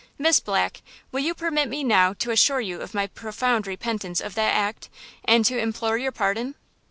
Miss Black, will you permit me now to assure you of my profound repentance of that act and to implore your pardon?"